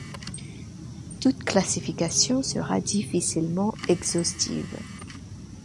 Toute classification sera difficilement exhaustive.